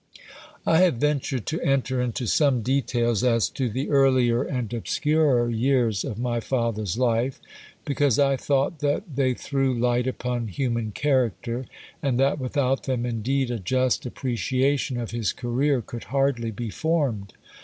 I have ventured to enter into some details as to the earlier and obscurer years of my father's life, because I thought that they threw light upon human character, and that without them, indeed, a just appreciation of his career could hardly be formed.